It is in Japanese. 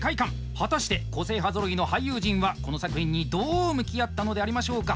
果たして個性派ぞろいの俳優陣はこの作品にどう向き合ったのでありましょうか。